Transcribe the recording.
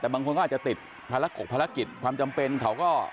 แต่บางคนก็อาจจะติดภารกิจความจำเป็นเขาก็